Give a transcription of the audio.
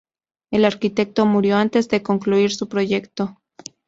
El arquitecto murió antes de concluir su proyecto.